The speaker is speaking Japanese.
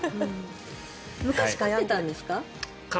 昔、飼ってたんですか？